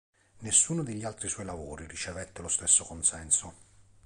Nessuno degli altri suoi lavori ricevette lo stesso consenso.